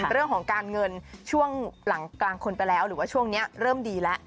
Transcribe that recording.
เรื่องของการเงินช่วงหลังกลางคนไปแล้วหรือว่าช่วงนี้เริ่มดีแล้ว